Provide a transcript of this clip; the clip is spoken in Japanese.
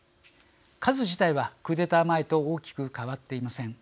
数自体はクーデター前と大きく変わっていません。